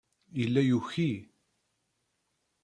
Yella yuki.